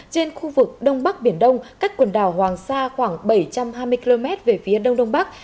trên khu vực đông bắc biển đông cách quần đảo hoàng sa khoảng bảy trăm hai mươi km về phía đông đông bắc